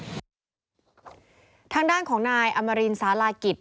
ทางด้านของนายอมรินสาลากิจ